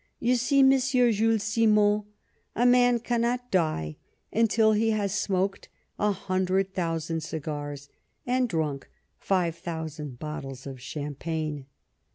" You see, Monsieur Jules Simon, a man cannot die until he has smoked a hundred thousand cigars and drunk five thousand bottles of champagne."